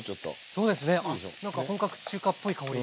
そうですね何か本格中華っぽい香り。